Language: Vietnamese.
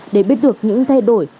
để biết được những thay đổi